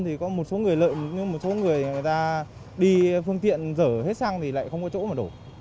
thì có một số người lợi như một số người người ta đi phương tiện dở hết sang thì lại không có chỗ mà đổ